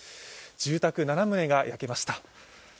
住宅７棟が焼けました。